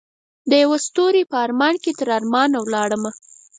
دیوه ستوری په ارمان کې تر ارمان ولاړمه